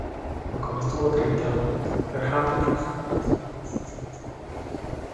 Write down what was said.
Aunque no estuvo acreditado, Graham incluso realizó varias escenas peligrosas.